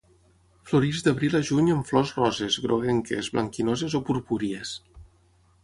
Floreix d'abril a juny amb flors roses, groguenques, blanquinoses o purpúries.